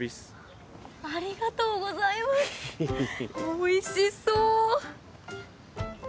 おいしそう。